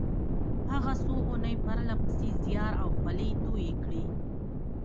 هغه څو اونۍ پرله پسې زيار او خولې تويې کړې.